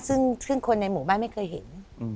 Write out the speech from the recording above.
ซึ่งคนในหมู่บ้านไม่เคยเห็น